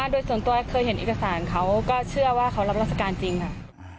โดยส่วนตัวเคยเห็นเอกสารเขาก็เชื่อว่าเขารับราชการจริงค่ะ